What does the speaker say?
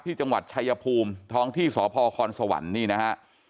ที่จังหวัดชายภูมิท้องที่สพคสวรรค์นี่นะฮะ